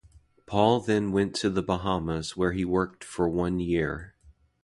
Paul then went to the Bahamas where he worked for one year.